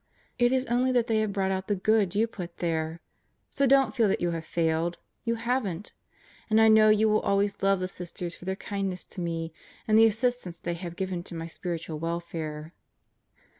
It is only that they have brought out the good you put there. So don't feel that you have failed. You haven'tl And I know you will always love the Sisters for their kindness to me and the assistance they have given to my spiritual welfare.